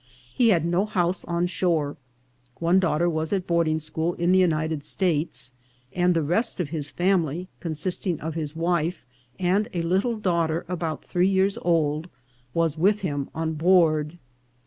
He had no house on shore ; one daughter was at boarding school in the United States, and the rest of his family, consisting of his wife and a little daughter about three years old, was with him on board.